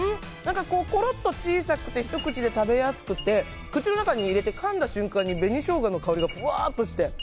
ころっと小さくてひと口で食べやすくて口の中に入れて、かんだ瞬間に紅ショウガの香りがふわっとして。